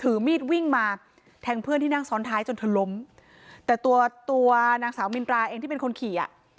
ถือมีดวิ่งมาแทงเพื่อนที่นั่งซ้อนท้ายจนเธอล้มแต่ตัวตัวนางสาวมินตราเองที่เป็นคนขี่อ่ะ